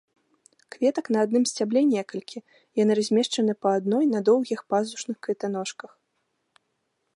Кветак на адным сцябле некалькі, яны размешчаны па адной на доўгіх пазушных кветаножках.